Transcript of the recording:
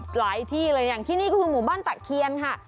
หลายที่เลยอย่างที่นี่ก็คือหมู่บ้านตะเคียนค่ะ